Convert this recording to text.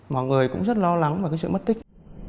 mọi người cũng rất lo lắng về cái sự mất tích